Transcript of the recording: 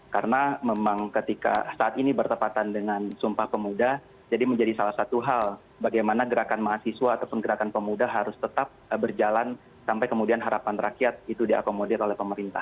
karena memang ketika saat ini bertepatan dengan sumpah pemuda jadi menjadi salah satu hal bagaimana gerakan mahasiswa atau gerakan pemuda harus tetap berjalan sampai kemudian harapan rakyat itu diakomodir oleh pemerintah